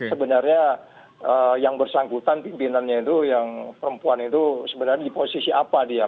sebenarnya yang bersangkutan pimpinannya itu yang perempuan itu sebenarnya di posisi apa dia